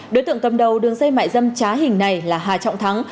đối tượng cầm đầu đường dây mại dâm trá hình này là hà trọng thắng